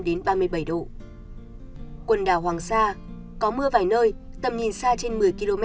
quần đảo hoàng sa có mưa vài nơi tầm nhìn xa trên một mươi km